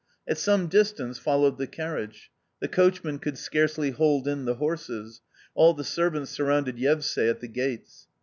At some distance followed the carriage. The coachman could scarcely hold in the horses. All the servants surrounded Yevsay at the gates.